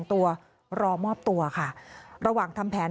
มีคนร้องบอกให้ช่วยด้วยก็เห็นภาพเมื่อสักครู่นี้เราจะได้ยินเสียงเข้ามาเลย